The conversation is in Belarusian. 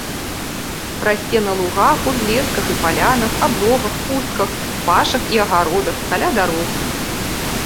Расце на лугах, узлесках і палянах, аблогах, пустках, пашах і агародах, каля дарог.